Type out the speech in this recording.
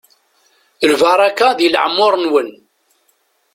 Lbaraka di leɛmur-nwen.